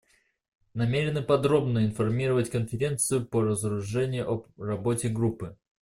Намерены подробно информировать Конференцию по разоружению о работе группы.